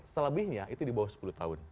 selebihnya itu di bawah sepuluh tahun